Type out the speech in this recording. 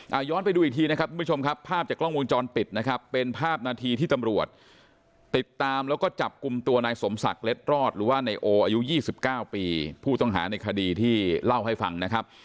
เอาย้อนไปดูอีกทีนะครับทุกผู้ชมครับภาพจากกล้องวงจรปิดนะครับเป็นภาพนาทีที่ตำรวจติดตามแล้วก็จับกลุ่มตัวนายสมศักดิ์เล็ดรอดหรือว่านายโออายุยี่สิบเก้าปีผู้ต้องหาในคดีที่เล่าให้ฟังนะครับ